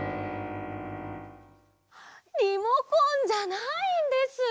リモコンじゃないんです。